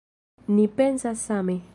Ni pensas same.